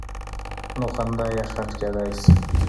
نو خندا یې خنډ کېدای شي.